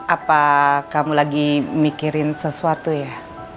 apa kamu lagi mikirin sesuatu ya